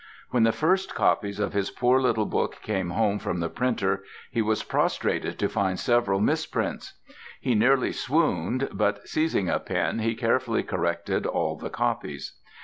When the first copies of his poor little book came home from the printer he was prostrated to find several misprints. He nearly swooned, but seizing a pen he carefully corrected all the copies.